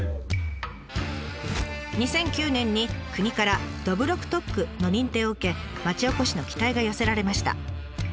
２００９年に国から「どぶろく特区」の認定を受け町おこしの期待が寄せられました。